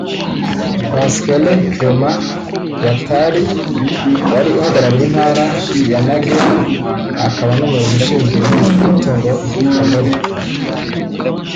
Pasquele Clement Batali wari uhagarariye intara ya Nagero akaba n’umuyobozi ushinzwe ubuhinzi n’umutungo kamere